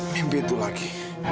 mimpi itu lagi